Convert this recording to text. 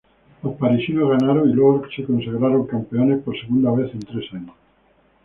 Los parisinos ganaron y luego se consagraron campeones por segunda vez en tres años.